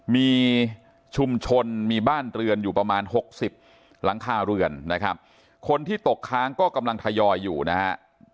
มีชุมชนมีบ้านเรือนอยู่ประมาณหกสิบหลังคาเรือนนะครับคนที่ตกค้างก็กำลังทยอยอยู่นะฮะ